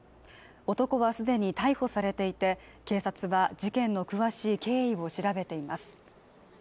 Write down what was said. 男はすでに逮捕されていて警察は事件の詳しい経緯を調べています